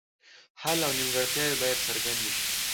خل او نیمګړتیاوې باید څرګندې شي.